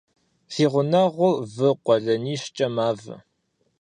Си гъунэгъур вы къуэлэнищкӀэ мавэ.